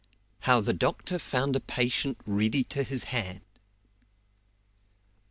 HOW THE DOCTOR FOUND A PATIENT READY TO HIS HAND.